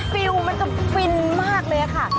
ฟิลมันจะฟินมากเลยค่ะ